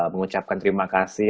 mengucapkan terima kasih